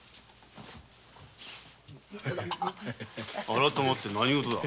改まって何事だ？